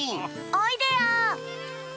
おいでよ！